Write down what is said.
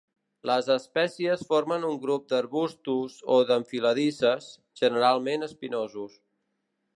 Les espècies formen un grup d'arbustos o d'enfiladisses, generalment espinosos.